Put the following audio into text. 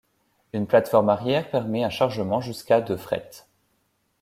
Une plateforme arrière permet un chargement jusqu'à de fret.